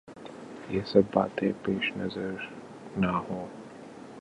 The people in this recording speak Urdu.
یہ سب باتیں پیش نظر نہ ہوں۔